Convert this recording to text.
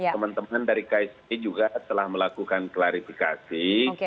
teman teman dari kci juga telah melakukan klarifikasi